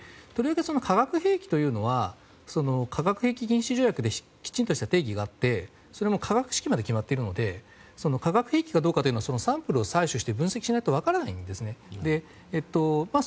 化学兵器というのは化学兵士禁止条約できちんとした定義があってそれも化学式まで決まっているので化学兵器かどうかはサンプルを分析しないと分からないんですね。